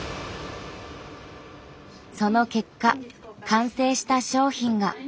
その結果完成した商品が。